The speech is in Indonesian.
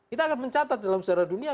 kita akan mencatat dalam sejarah dunia